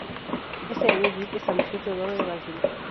Ese año Yip estableció Theodore Racing.